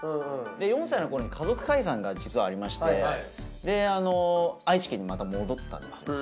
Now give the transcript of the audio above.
４歳の頃に家族解散が実はありまして愛知県にまた戻ったんですよ。